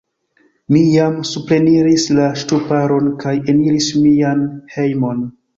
Mi jam supreniris la ŝtuparon kaj eniris mian hejmon.